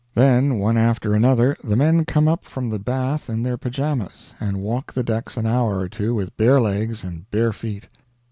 Then one after another the men come up from the bath in their pyjamas, and walk the decks an hour or two with bare legs and bare feet.